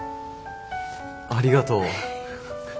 ありがとう。